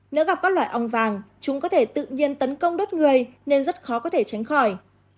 nếu gặp các loại ong vàng chúng có thể tự nhiên tấn công đốt người nên rất khó có thể tránh khỏi